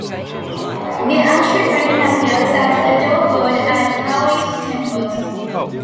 The Azure Dragon appears as a door god at Taoist temples.